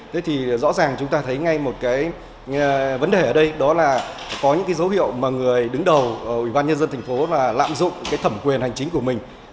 thế thì rõ ràng chúng ta thấy ngay một cái vấn đề ở đây đó là có những cái dấu hiệu mà người đứng đầu ủy ban nhân dân thành phố là lạm dụng cái thẩm quyền hành chính của mình